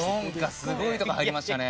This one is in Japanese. すごいとこ入りましたね。